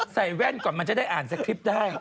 แว่นก่อนมันจะได้อ่านสคริปต์ได้